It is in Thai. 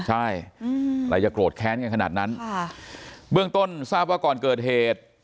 ใช่อะไรจะโกรธแค้นกันขนาดนั้นค่ะเบื้องต้นทราบว่าก่อนเกิดเหตุ